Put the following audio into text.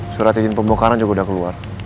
surat izin pembukaran juga udah keluar